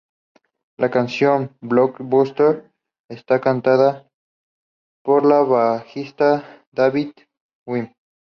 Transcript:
La canción "Blockbuster" está cantada por el bajista David Wm.